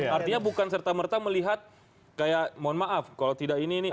artinya bukan serta merta melihat kayak mohon maaf kalau tidak ini ini